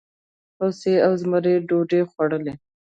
هوسۍ او زمري ډوډۍ خوړلې؟